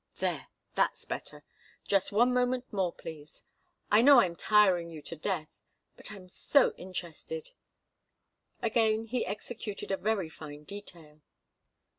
There that's better! Just one moment more, please. I know I'm tiring you to death, but I'm so interested " Again he executed a very fine detail.